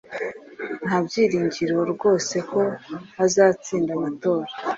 nta byiringiro rwose ko azatsinda amatora